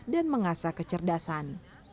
dan mengasah kecerdasan